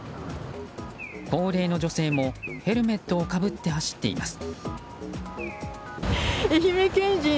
高齢の女性もヘルメットをかぶって走っています。